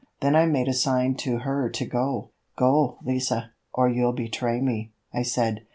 Then I made a sign to her to go. "Go, Lise, or you'll betray me," I said.